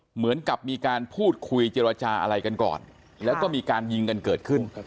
เหมือนกับมีการพูดคุยเจรจาอะไรกันก่อนแล้วก็มีการยิงกันเกิดขึ้น